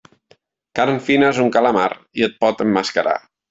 Carn fina és un calamar i et pot emmascarar.